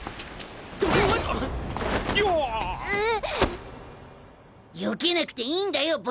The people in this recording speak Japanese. よけなくていいんだよ